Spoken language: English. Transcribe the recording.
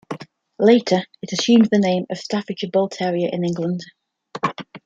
Later, it assumed the name of Staffordshire Bull Terrier in England.